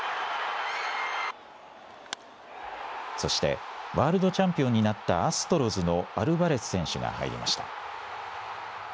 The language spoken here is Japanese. そして、ワールドチャンピオンになったアストロズのアルバレス選手が入りました。